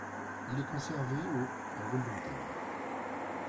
Il est conservé au à Wilmington.